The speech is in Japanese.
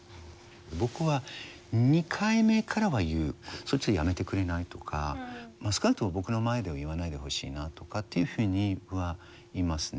僕は２回目からは言う「それちょっとやめてくれない？」とか少なくとも僕の前では言わないでほしいなとかっていうふうに僕は言いますね。